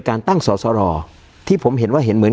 การแสดงความคิดเห็น